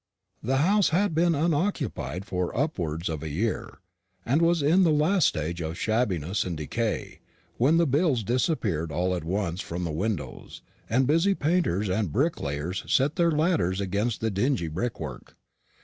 The house had been unoccupied for upwards of a year, and was in the last stage of shabbiness and decay, when the bills disappeared all at once from the windows, and busy painters and bricklayers set their ladders against the dingy brickwork.